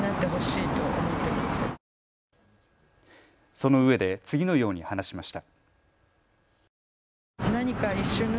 そのうえで次のように話しました。